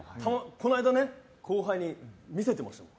この間、後輩に見せていましたもん。